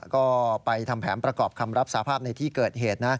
ก็ไปทำแผนประกอบคำรับสาภาพในที่เกิดเหตุ